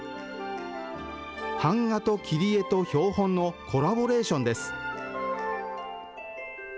版画と切り絵と標本のコラボレーションです。